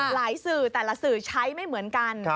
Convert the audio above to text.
สื่อแต่ละสื่อใช้ไม่เหมือนกัน